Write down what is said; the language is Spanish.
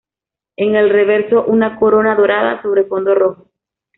En el reverso una corona dorada, sobre fondo rojo.